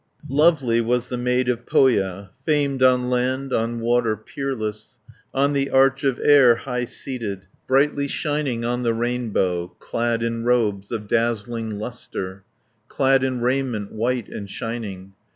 Lovely was the maid of Pohja, Famed on land, on water peerless, On the arch of air high seated, Brightly shining on the rainbow, Clad in robes of dazzling lustre, Clad in raiment white and shining.